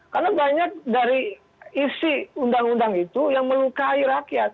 karena banyak dari isi undang undang itu yang melukai rakyat